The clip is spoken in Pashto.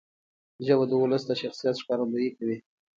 ژبه د ولس د شخصیت ښکارندویي کوي.